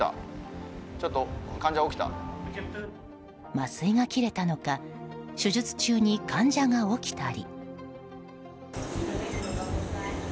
麻酔が切れたのか手術中に患者が起きたり。